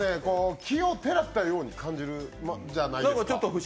奇をてらったように感じるじゃないですか。